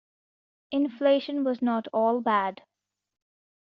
Inflation was not all bad.